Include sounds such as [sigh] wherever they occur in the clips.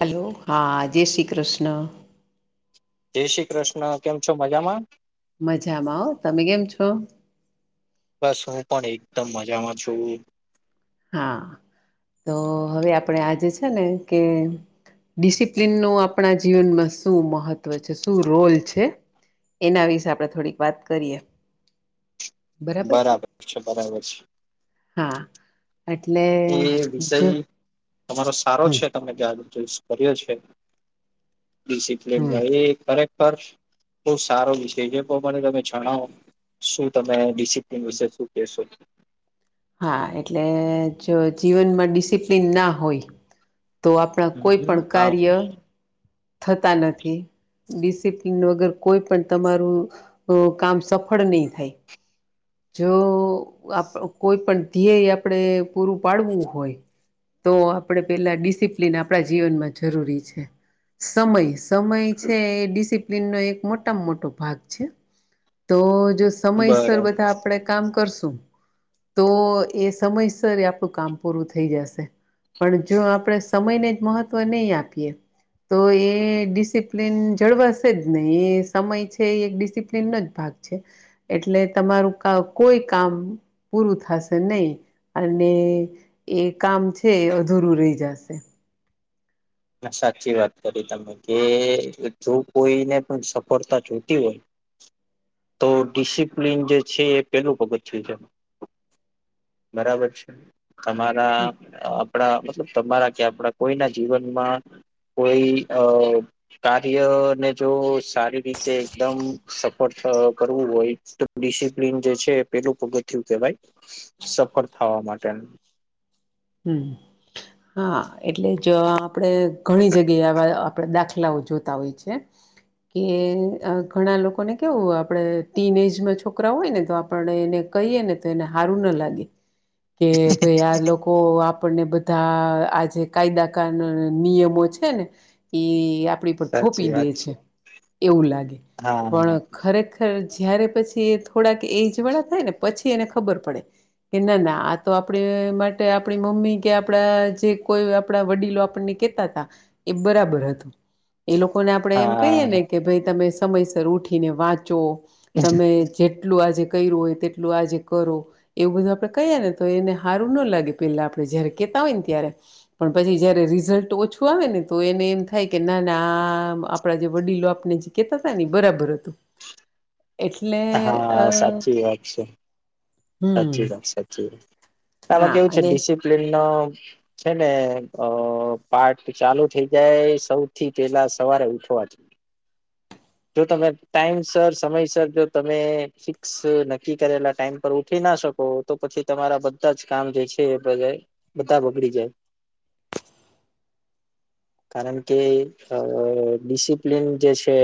Hello હા જય શ્રી કૃષ્ણ. જય શ્રી કૃષ્ણ કેમ છો મજામાં મજામાં હો તમે કેમ છો? હાલો. બસ હું પણ એકદમ મજામાં છું. હા, તો હવે આપણે આજે છે ને કે ડિસિપ્લન ન આપણા જીવનમાં શું મહત્વ છે શું રોલ છે. એના વિશે આપણે થોડીક વાત કરીએ. બરાબર છે, હા. એટલે એ વિષય જો તમારો સારો હમ છે તમે યાદ ચુસ કર્યો છે, હમ ડિસિપ્લીનો એ ખરેખર બહુ સારો વિષય જે પ્રમાને તમે જણાવો. શું તમે ડિસિપ્લિન વિશે શું કેહેશો? હા એટલે જો જીવનમાં ડિસિપ્લિન ના હોય. તો આપણા કોઈ પણ હા કાર્ય થતા નથી. ડિસિપ્લન વગર કોઈ પણ તમારું, કામ સફળ નહી થાય. જો કોઈ પણ ધ્યેય આપણેે પૂરું પાડવું હોય. તો આપણે પેલા ડિસિપ્લિન આપણા જીવનમાં જરૂરી છે, સમય. સમય છે એ ડિસિપ્લિનનો એક મોટામાં મોટો ભાગ છે, તો જો સમયસર બરાબર બધા આપણે કામ કરશું, તો એ સમયસર આપણું કામ પૂરું થઈ જશે. પણ જો આપણેે સમયને જ મહત્વ નહી આપીએ. તો એ ડિસિપ્લિન જળવાશે જ નહી એ સમય છે એક ડિસિપ્લિન ન જ ભાગ છે, એટલે તમારું કોઈ કામ પૂરું થશે નહી. અને એ કામ છે અધૂરું રહી જશે. સાચી વાત કરી તમે કે જો કોઈને પણ સફળતા જોતી હોય. [inaudible] તો ડિસિપ્લિન જે છે એ પેલું પગત થઈ જાય. બરાબર છે, તમારા આપડા મતલબ તમારા કે આપડા કોઈના જીવનમાં કોઈ અ કાર્યને જો સારી રીતે એકદમ સફળ કરવું હોય, ડિસિપ્લન જે છે પેલું પગ થયું કે ભાઈ. સફળ થવા માટે. હમ. હા એટલે જ આપણેે ઘણી જગ્યાએ આવા આપણે દાખલાઓ જોતા હોય છે. કે ઘણા લોકોને કેવું આપડણે ટીન એજમાં છોકરા હોય ને તો આપણે એને કહી ને તો એને હારું ના લાગે, કે ભાઈ આ તો આપણને બધા આ જે કાયદાકાર નિયમો છે ને, એ આપણી પર સાચી થોપી દે વાત છે, એવું લાગે, હા પણ ખરેખર જયારે પછી એ થોડાક એજ વાળા થાય ને પછી એને ખબર પડે, કે ના ના આ તો આપણે માટે આપણી મમ્મી કે આપડા જે કોઈ આપણા વડીલો આપણને કેતા હતા, એ બરાબર હતું. એ લોકોને આપણેે એમ કહીય ને હા કે ભાઈ તમે સમયસર ઉઠીને વાંચો, તમે જે એટલું આજે કર્યું હોય તેટલું આજે કરો, એવું બધું આપડે કહીએ ને તો એને સારું ના લાગે. પેલા આપણે જયારે કેતા હોય ને ત્યારે, પણ પછી જયારે રિઝલ્ટ ઓછું આવે ને તો એને એમ થાય કે ના અને આ આપડા જે વડીલો આપને જે કેતા હતા ને બરાબર હતું. એટલે અ હા સાચી વાત છે હમ સાચી વાત સાચી વાત આમાં હા કેવું છે અને ડિસિપ્લીન છે ને અ પા્ટ ચાલુ થઈ જાય સૌથી પેલા સવારે ઊઠી [unintelligible] [inaudible] જો તમે ટાઈમ સર સમયસ જો તમે ફિક્સ નક્કી કરેલા ટાઈમ પર ઉઠીને શકો તો પછી તમારા બધા જ કામ જે છે બધા બગડી જાય. [inaudible] કારણ કે આ ડિસિપ્લન જે છે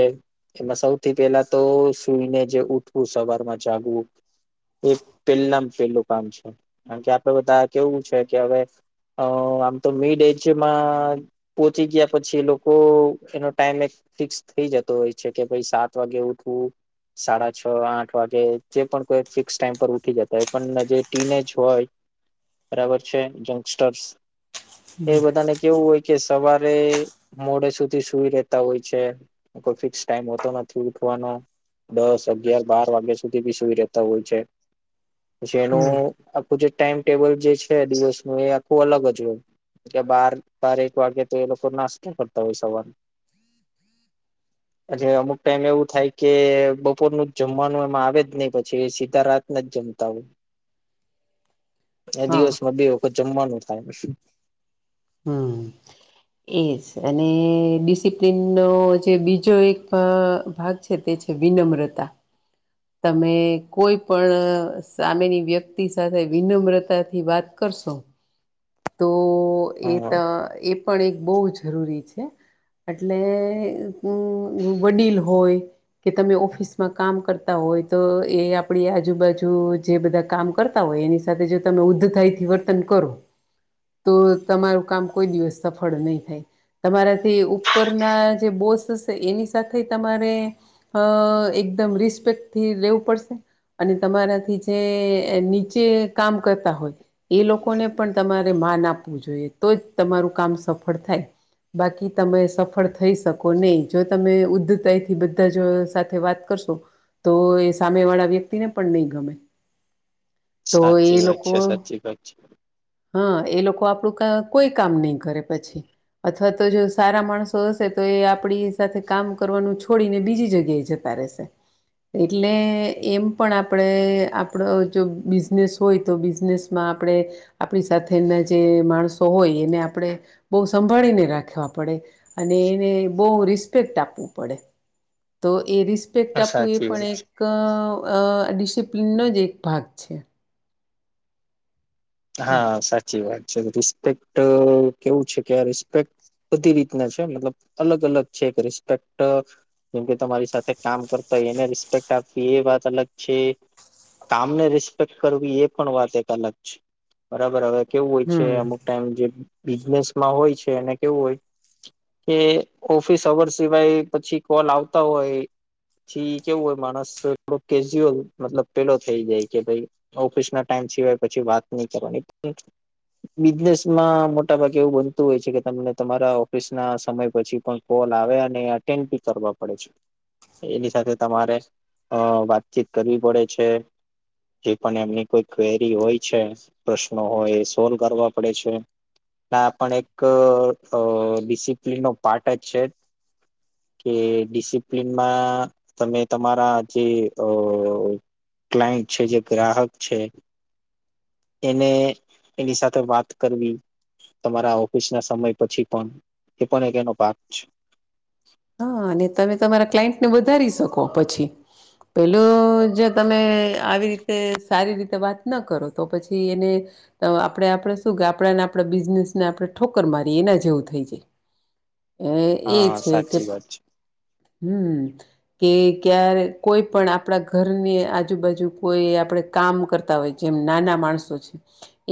એમાં સૌથી પેલા તો સુઈને જે ઉઠવું સવારમાં જાગવું એ પેલામ પેલું કામ છે કારણ કે આપડે બધા કેવું છે કે હવે અ આમ તો મિડ એજમાં પોચી ગયા પછી લોકો એનો ટાઈમ એક ફિક્સ થઈ જતો હોય છે કે ભાઈ સાત વાગે ઉઠવું સાડા છ આઠ વાગે જે પણ કોઈ ફિક્સ ટાઈમ પર ઉઠી જતા હોય પણ જે ટીનેજ હોય બરાબર છે, યંગસ્ટર્સ એ હમ બધાને કેવું હોય કે સવારે મોડે સુધી સુઈ રેતા હોય છે. કોઈ ફિક્સ ટાઈમ હોતો નથી, ઉઠવાનો દસ, અગિયાર-બાર વાગ્યા સુધી બી સુઈ રહેતા હોય છે. જેનું હમ આખુ જે ટાઈમ ટેબલ જે છે, દિવસનું એ આખું અલગ જ હોય, કે બાર બારેક વાગે તો એ લોકો નાસ્તા કરતા હોય. સવાર નો [inaudible] એટલે અમુક ટાઈમ એવું થાય, કે બપોરનું જ જમવાનું એમાં આવે જ નહી પછી સીધા રાતના જમતા [inaudible] એ હા દિવસમાં બે વખત જમવાનું થાય. હમ્મ. એજ અને ડિસિપ્લિનનો જે બીજો એક ભાગ છે, તે છે, વિનમ્રતા. તમે કોઈ પણ સામેની વ્યક્તિ સાથે વિનમ્રતા થી વાત કરશો. તો એ હા. પણ એક બોજ જરૂરી છે. એટલે બો વડીલ હોય કે તમે ઓફિસમાં કામ કરતા હોય, તો એ આપડી આજુ-બાજુ જે બધા કામ કરતા હોય. એની સાથે [unintelligible] વર્તન કરો તો તમારું કામ કોઈ દિવસ સફળ નહી થાય. તમારાથી ઉપરના જે બોસ છે, એની સાથે તમારે અ એકદમ રિસ્પેક્ટથી રેવું પડશે. અને તમારાથી જે નીચે કામ કરતા હોય એ લોકોને પણ તમારે માન આપવું જોઈએ. તો જ તમારું કામ સફળ થાય થઈ શકો નહીં જો તમે [unintelligible] બધા જો સાથે વાત કરશો, તો એ સામે વાળા વ્યક્તિને પણ નહીં ગમે. [inaudible] એ સાચી વાત છે, લોકો સાચી વાત છે. હા, એ લોકો આપણું કોઈ કામ નહી કરે પછી અથવા તો જો સારા માણસો હશે તો એ આપણી સાથે કામ કરવાનું છોડીને, બીજી જગ્યાએ જતા રેસે. એટલે એમ પણ આપણેે આપડો જો બિઝનેસ હોય, તો બિઝનેસમાં આપણેે આપણી સાથેના જે માણસો હોય, એને આપણે બો સંભાળીને રાખવા પડે અને એને બો રિસ્પેક્ટ આપવું પડે. તો એ રિસ્પેક્ટ આપવું એ સાચી પણ વાત છે. એક અ ડિસિપ્લિનનો જ એક ભાગ છે. હમ હા, સાચી વાત છે, રિસ્પેક્ટ કેવું છે, કે આ રિસ્પેક્ટ બધી રીતના છે, મતલબ અલગ-અલગ છે, રિસ્પેક્ટ જેમકે તમારી સાથે કામ કરતા એને રિસ્પેક્ટ આપવી એ વાત અલગ છે. કામને રિસ્પેક્ટ કરવી એ પણ વાત એક અલગ છે. બરાબર, હવે કેવું હોય છે, હમ અમુક ટાઈમ જે બિઝનેસમાં હોય છે, અને કેવું હોય કે ઓફિસ હર્વસ સિવાય પછી કોલ આવતા હોય પછી કેવું હોય માણસ થોડો કેજ્યુઅલ મતલબ પેલો થઈ જાય કે ભાઈ ઓફિસના ટાઈમ સિવાય પછી વાત નહી કરવાની. બિઝનેસમાં મોટાભાગ એવું બનતું હોય છે, કે તમને તમારા ઓફિસના સમય પછી પણ કોલ આવે અટેન્ડભી કરવો પડે છે. એની સાથે તમારે અ વાતચીત કરવી પડે છે. જે પણ એમની કોઈ ક્વેરી હોય છે, પ્રશ્નો હોય એ સોલ્વ કરવા પડે છે. આ પણ એક ડિસિપ્લિનનો પાર્ટ જ છે. કે ડિસિપ્લનમાં તમે તમારા જે અ ક્લાઈન્ટ છે જે ગ્રાહક છે. [inaudible] એને એની સાથે વાત કરવી તમારા ઓફિસ ના સમય પછી પણ એ પણ એક એનો ભાગ છે. હા અને તમે તમારા ક્લાયન્ટને વધારી શકો પછી પેલું જે તમે આવી રીતે સારી રીતે વાત ન કરો તો પછી એને આપણે આપણે શું કે આપણાને આપણે બિઝનેસને આપણે ઠોક્કર મારી એના જેવું થઈ જાય એ હા છે કે સાચી વાત હમ કે ક્યારે કોઈ પણ આપડા ઘરની આજુબાજુ કોઈ કામ કરતા હોય જેમ નાના માણસો છે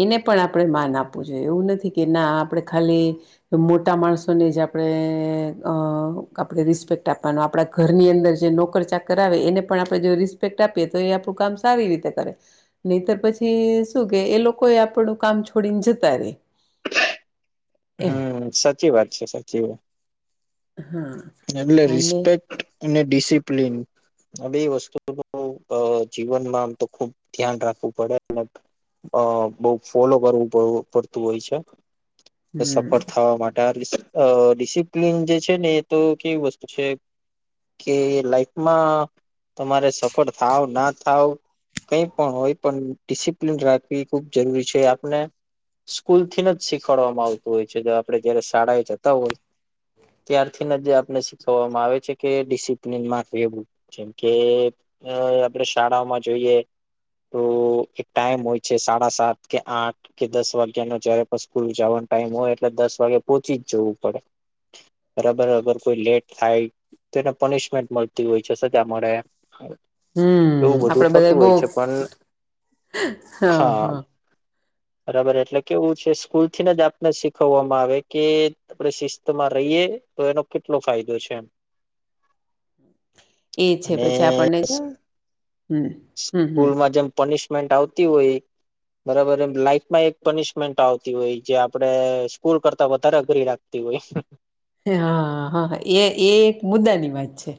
એને પણ આપણે માન આપવું જોઈએ એવું નથી કે ના આપડે ખાલી મોટા માણસોની જ આપડણે અ આપણે રિસ્પેક્ટ આપવાનો આપણા ઘરની અંદર જે નોકર ચાકર આવે એને પણ આપણે જો રિસ્પેક્ટ આપીએ તો એ આપું કામ સારી રીતે કરે નહીતર પછી શું કે એ લોકો એ આપણું કામ છોડીને જતા રે. [inaudible] એમ હમ સાચી વાત છે સાચી વાત. હા. એટલે અને રિસ્પેક્ટ અને ડિસિપ્લીન હ બે વસ્તુ તો જીવનમાં આમ તો ખુબ ધ્યાન રાખવું પડે. અ બહુ ફોલો કરવું પ પડતું હોય છે. હમ સફળ થવા માટે ડિસિપ્લીન જે છે ને તો કેવી વસ્તુ છે. કે લાઈફમાં તમારે સફળ થાવ ના થાવ કઈ પણ હોય પણ ડિસિપ્લન રાખવી ખૂબ જરૂરી છે આપણે. સ્કૂલ થીને જ શીખવાડવામાં આવતું હોય છે જો આપડે જયારે શાળાએ જતા હોય ત જે આપને શીખવામાં આવે છે કે ડિસિપ્લન મા રેવું જેમ કે આપણે શાળાઓમાં જોઈએ. તો એક ટાઈમ હોય છે સાડા સાત કે આઠ કે દસ વાગ્યા ન જયારે પણ સ્કૂલ જવાનું. ટાઈમ હોય એટલે દસ વાગે પહોંચી જવું પડે. [inaudible] બરાબર અગર કોઈ લેટ થાય તો એને પનિશમેન્ટ મળતી હોય છે સજા મળે. એવું હમ બધું આપડે બધા થતું હોય છે બહ પણ હા હા. બરાબર એટલે કેવું છે સ્કૂલ થીને જ આપને શીખવવામાં આવે કે આપણે શિસ્તમાં રહીએ. તો એનો કેટલો ફાયદો છે એમ. એ છે અને પછી આપણને જો હમ હમ હમ સકૂલમાં જેમ પનીશ ન્ટ આવતી હોય બરાબર એમ લાઈફમાં એક પનિશમેન્ટ આવતી હોય જે આપડે સ્કૂલ કરતા વધારે અઘરી લાગતી હોય. હા હા એ એ એક મુદ્દાની વાત છે.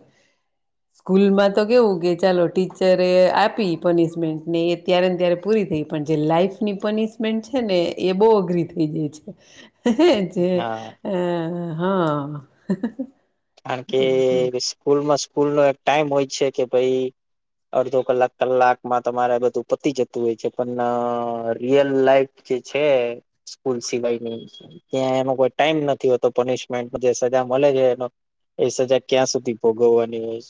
સ્કૂલમાં તો કેવું કે ચાલો ટીચરે આપી પનિશમેન્ટ ને એ ત્યારે ને ત્યારે પૂરી થઈ પણ જે લાઈફની પનિશમેન્ટ છે ને એ બો અઘરી થઈ જાય છે. જે હા અ હા કારણ કે હમ સ્કૂલમાં સ્કૂલનો એક ટાઈમ હોય છે, કે ભાઈ અડધો કલાક કલાકમાં તમારે બધું પતી જતું હોય છે, પણ રિયલ લાઈફ જે છે સ્કૂલ સિવાયની ત્યાં એમાં કોઈ ટાઈમ નથી હોતો પનિશમેન્ટ જે સજા મલે છે, એનો એ સજા ક્યાં સુધી ભોગવવાની હોય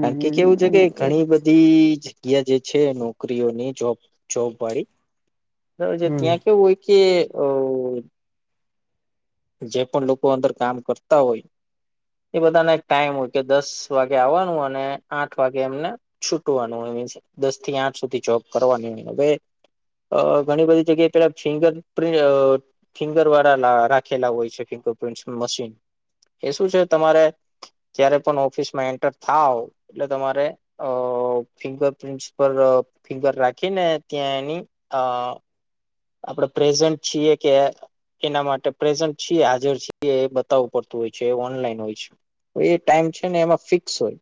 કારણ કે કેવું છે, કે ઘણી બધી જ જગયા જે છે નોકરીઓની જોબ જોબ વાળી હમ ત્યાં કેવું હોય કે અ જે પણ લોકો અંદર કામ કરતા હોય એ બધાને એક ટાઈમ હોય કે દસ વાગે આવવાનું અને આઠ વાગે એમને છૂટવાનું હોય મિનસ દસથી આઠ સુધી જોબ કરવાની હોય અવે અ ઘણી બધી જગ્યાએ પેલા ફિંગર પ્રિ ફિંગર વાળા લા રા ખેલા હોય છે, કે પ્રિન્ટસનુ મશીન એ શું છે, તમારે જયારે પણ ઓફિસમાં એન્ટર થાવ એટલે તમારે અ ફિંગર પ્રિન્ટસ પર ફિંગર રાખીને ત્યાં એની અ આપડે પ્રેઝન્ટ છીએ કે એના માટે પ્રેઝન્ટ છીએ હાજર છીએ એ બતાવું પડતું હોય છે, ઓનલાઈન હોય છે. એ ટાઈમ છે, ને એમાં ફિક્સ હોય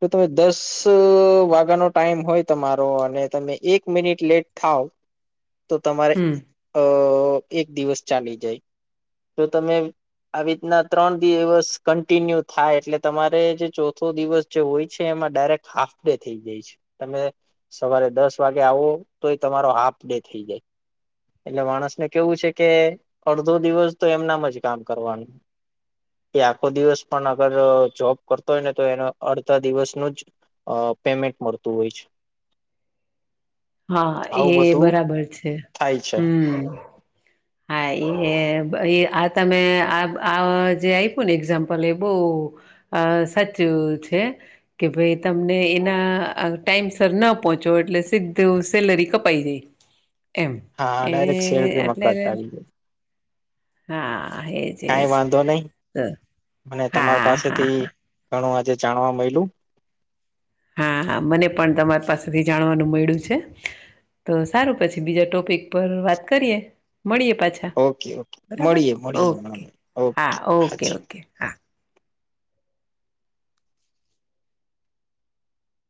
જો તમે દસ વાગ્યાનો ટાઈમ હોય તમારો અને તમે એક મિનિટ લેટ થાવ હ તો તમારે અ એક દિવસ ચાલી જાય તો તમે આવી રીતના ત્રણ દિવસ કન્ટિન્યુ થાય એટલે તમારે જે ચોથો દિવસ જે હોય છે. એમા ડાયરેક્ટ હાફ ડે થઈ જાય છે, તમે સવારે દસ વાગે આવો તો એ તમારો હાફ ડે થઈ જાય એટલે માણસને કેવું છે, કે અડધો દિવસ તો એમનામાં જ કામ કરવાનું કે આખો દિવસ પણ અગર જોબ કરતો હોય ને તો એને અડધા દિવસનુ જ પેમેન્ટ મળતું હોય છે. હા એ આવું બધું બરાબર છે. થાય છે. હમ હા એ આ તમે આ આ જે આયપુ ને એક્ઝામ્પલ એ બોવ અ સાચુ છે, કે ભાઈ તમને એના ટાઈમ સર ન પહોંચો એટલે સીધુ સેલરી કપાય જાય એમ હા એ ડાયરેક્ટ સેલરીમાં એટલે કટ આવી જાય હા. એજ કઈ એજ વાંધો નહી તો અને તમાર હા હા પાસેથી હા ઘણું આજે જાણવા મયલુ હા હા મને પણ તમારી પાસેથી જાણવાનું મળ્યું છે. તો સારું પછી બીજા ટોપિક પર વાત કરીએ મળીએ પાછા ઓકે ઓકે બરાબર મળીએ મળીએ હમણાં ઓકે મળીએ. હા ઓકે ઓકે હાજી ઓકે હા